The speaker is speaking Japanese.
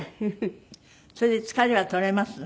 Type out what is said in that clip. それで疲れは取れます？